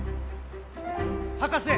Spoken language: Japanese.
・博士！